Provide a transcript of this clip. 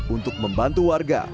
untuk membantu warga